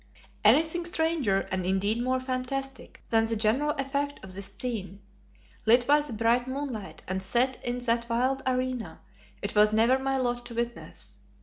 Anything stranger, and indeed more fantastic than the general effect of this scene, lit by the bright moonlight and set in that wild arena, it was never my lot to witness.